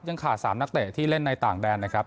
ยังขาด๓นักเตะที่เล่นในต่างแดนนะครับ